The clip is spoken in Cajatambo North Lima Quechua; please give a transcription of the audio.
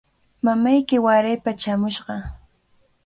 Mamayki waraypa chaamushqa.